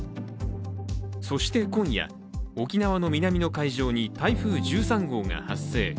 そして今夜沖縄の南の海上に台風１３号が発生。